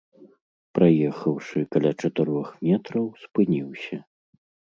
Праехаўшы каля чатырох метраў, спыніўся.